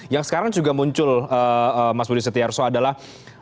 yang sekarang juga muncul mas budi setiarso adalah